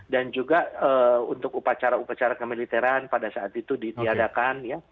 dan juga untuk upacara upacara kemiliteran pada saat itu diadakan